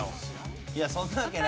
いやそんなわけないよ。